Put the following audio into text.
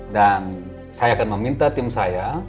dan saya akan meminta tim saya